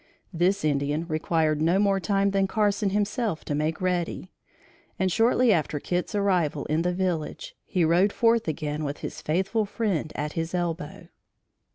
This Indian required no more time than Carson himself to make ready, and, shortly after Kit's arrival in the village, he rode forth again with his faithful friend at his elbow.